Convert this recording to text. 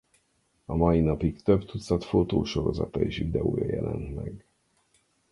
A mai napig több tucat fotósorozata és videója jelent meg.